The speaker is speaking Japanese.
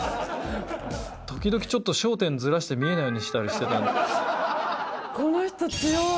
時々ちょっと焦点ずらして見えないようにしたりしてたんだけど。